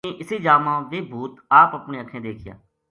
اِنھ نے اسی جا ما ویہ بھوت آپ اپنی اَکھیں دیکھیا